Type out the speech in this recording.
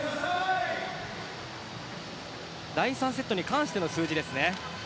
第３セットに関しての数字です。